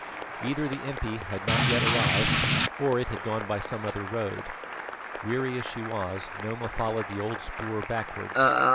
Either the impi had not yet arrived, or it had gone by some other road. Weary as she was, Noma followed the old spoor backwards.